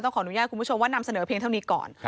ขออนุญาตคุณผู้ชมว่านำเสนอเพียงเท่านี้ก่อน